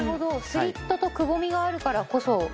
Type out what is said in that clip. スリットとくぼみがあるからこそですね。